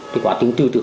thì qua tiếng tư tưởng